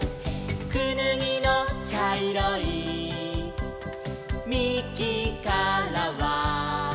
「くぬぎのちゃいろいみきからは」